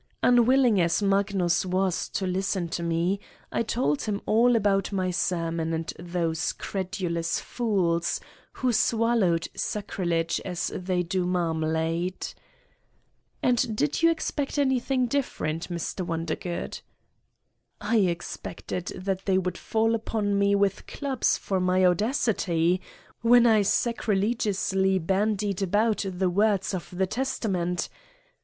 Unwilling as Mag nus was to listen to me, I told him all about my sermon and those credulous fools who swal lowed sacrilege as they do marmalade. 59 Satan's Diary "And did you expect anything different, Mr\ Wondergood?" "I expected that they would fall upon me with clubs for my audacity: When I sacrilegiously bandied about the words of the Testament.